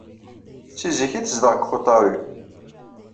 Seg zik ay tezdeɣ deg Otaru.